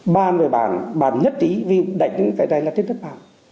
bàn với bản bản nhất trí vì đánh cái này là trên đất bản